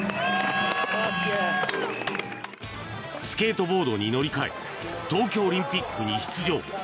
スケートボードに乗り換え東京オリンピックに出場。